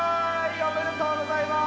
おめでとうございます！